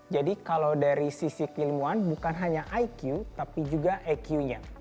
jadi kalau dari sisi keilmuan bukan hanya iq tapi juga ekonomi